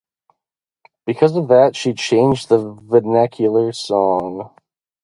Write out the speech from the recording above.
Because of that she changed the vernacular song.